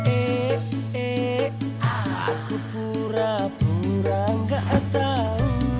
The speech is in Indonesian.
eh eh aku pura pura gak atau